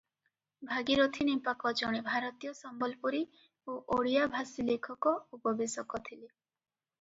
ଭାଗିରଥୀ ନେପାକ ଜଣେ ଭାରତୀୟ ସମ୍ବଲପୁରୀ ଓ ଓଡ଼ିଆ-ଭାଷୀ ଲେଖକ ଓ ଗବେଷକ ଥିଲେ ।